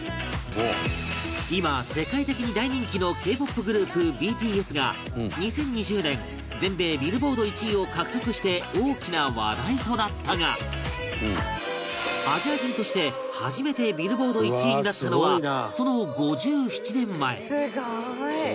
今、世界的に大人気のＫ‐ＰＯＰグループ、ＢＴＳが２０２０年全米ビルボード１位を獲得して大きな話題となったがアジア人として初めてビルボード１位になったのはその５７年前高山：すごーい！